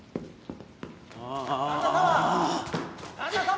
・旦那様！